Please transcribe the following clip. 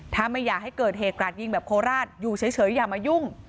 ถ้าไม่อยากให้เกิดเหตุกราดยิงแบบโคราชอยู่เฉยอย่ามายุ่ง